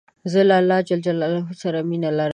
زه له الله ج سره مینه لرم.